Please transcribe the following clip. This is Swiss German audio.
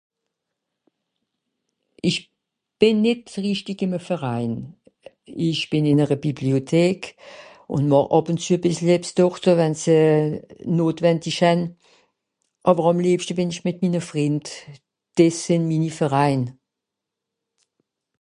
Ìch bìn nìt richtig ìme Verein. Ìch bìn ìn'ere Bibliotek, ùn màch àb ùn zü e bìssel ebbs dorte wenn se notwendich hän. Àwer àm liebschte bìn ìch mìt mine Frìnd. Dìe sìnn mini Verein.